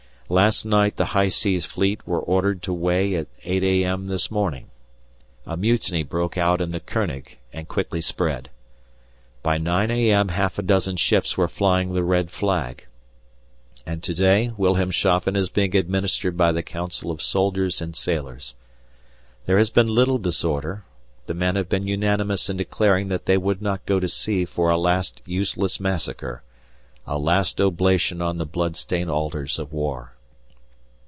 Last night the High Seas Fleet were ordered to weigh at 8 a.m. this morning. A mutiny broke out in the König and quickly spread. By 9 a.m. half a dozen ships were flying the red flag, and to day Wilhelmshafen is being administered by the Council of Soldiers and Sailors. There has been little disorder; the men have been unanimous in declaring that they would not go to sea for a last useless massacre, a last oblation on the bloodstained altars of war.